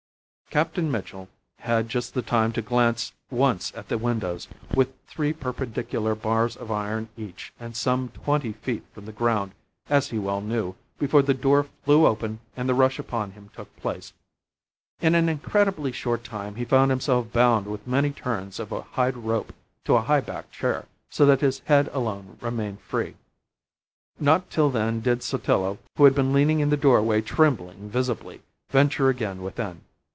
Captain Mitchell had just the time to glance once at the windows, with three perpendicular bars of iron each and some twenty feet from the ground, as he well knew, before the door flew open and the rush upon him took place. In an incredibly short time he found himself bound with many turns of a hide rope to a high backed chair, so that his head alone remained free. Not till then did Sotillo, who had been leaning in the doorway trembling visibly, venture again within.